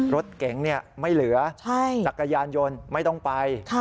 รถเก๋งไม่เหลือจักรยานยนต์ไม่ต้องไป